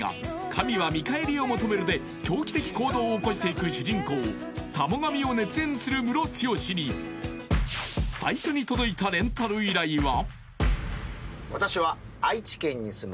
「神は見返りを求める」で狂気的行動を起こしていく主人公田母神を熱演するムロツヨシに最初に届いたレンタル依頼は？